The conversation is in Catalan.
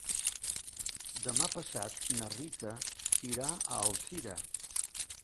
Demà passat na Rita irà a Alzira.